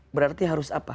berarti harus apa